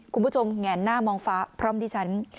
คุณผู้ชมแง่นหน้ามองฟ้าพร้อมดิฉัน